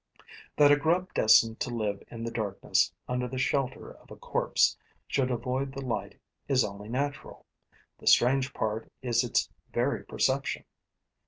That a grub destined to live in the darkness, under the shelter of a corpse, should avoid the light is only natural; the strange part is its very perception.